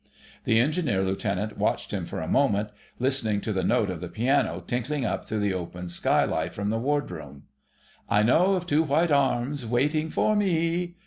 The Engineer Lieutenant watched him for a moment, listening to the notes of the piano tinkling up through the open skylight from the Wardroom. "I know of two white arms Waiting for me